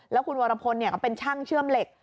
แล้วคุณวรพลก็เป็นช่างเชื่อมเหล็ก